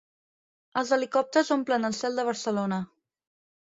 Els helicòpters omplen el cel de Barcelona.